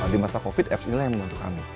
di masa covid apps inilah yang membantu kami